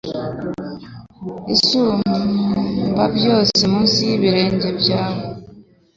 Izuba ryose munsi y'ibirenge byawe